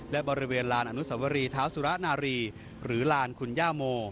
และบริเวณลานอนุสวรีเท้าสุระนารีหรือลานคุณย่าโม